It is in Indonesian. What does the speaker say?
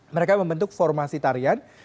mereka membentuk formasi tarian